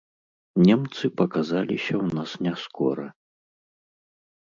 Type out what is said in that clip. Немцы паказаліся ў нас няскора.